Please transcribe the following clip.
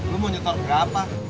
lo mau nyetor berapa